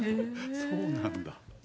そうなんだ。